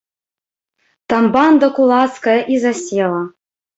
Там банда кулацкая і засела.